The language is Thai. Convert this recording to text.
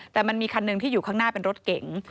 แต่มันมีคันหนึ่งที่อยู่ข้างหน้าเป็นรถเก๋ง